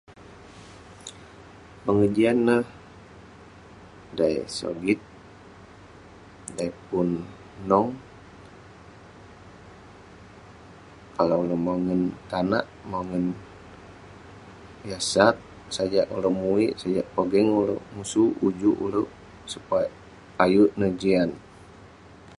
Pengejian neh, dan eh sogit, dan pun nong. Kalau ne mongen tanak, mangen yah sat, sajak ulouk muik, sajak pogeng ulouk musuk ujuk ulouk. Supa- Ayuk ne jian.